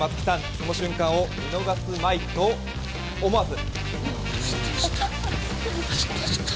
その瞬間を見逃すまいと思わず。